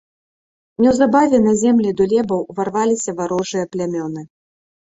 Неўзабаве на землі дулебаў уварваліся варожыя плямёны.